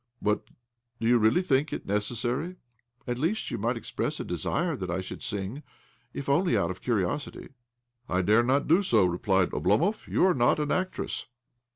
But do you really think it necessary? "" At least you might express a desire 172 OBLOMOV that I shovild sing — if only out of curiosity." ' 1 dare not do so," replied Oblomov. ' lYou are not an actress."